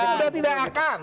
udah tidak akan